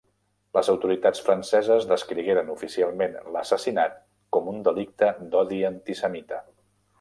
Les autoritats franceses descrigueren oficialment l'assassinat com un delicte d'odi antisemita.